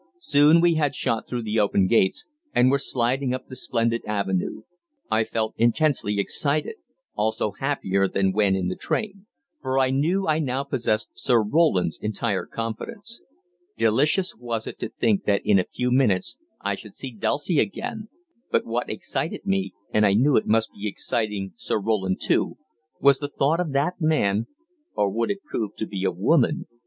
Soon we had shot through the open gates, and were sliding up the splendid avenue. I felt intensely excited, also happier than when in the train, for I knew I now possessed Sir Roland's entire confidence. Delicious was it to think that in a few minutes I should see Dulcie again, but what excited me and I knew it must be exciting Sir Roland too was the thought of that man or would it prove to be a woman?